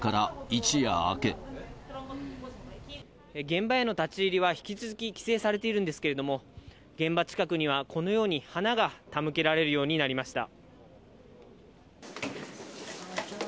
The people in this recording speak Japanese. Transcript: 現場への立ち入りは引き続き規制されているんですけれども、現場近くには、このように花が手向けられるようになりました。